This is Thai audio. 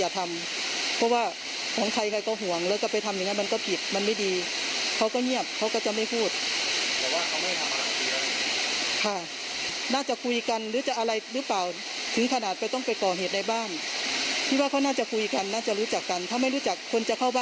ตอนนี้บริษัทบริษัทนำตัว